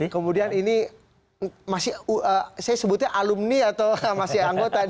kemudian ini masih saya sebutnya alumni atau masih anggota